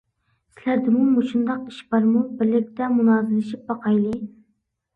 سىلەردىمۇ مۇشۇنداق ئىش بارمۇ بىرلىكتە مۇنازىرىلىشىپ باقايلى.